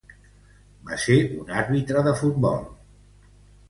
Va ser un àrbitre de futbol.